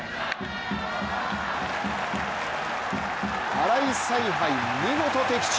新井采配、見事的中！